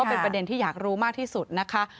เป็นประเด็นที่อยากรู้มากที่สุดนะคะ